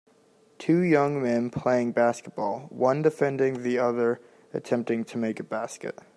Two young men playing basketball, one defending the other attempting to make a basket.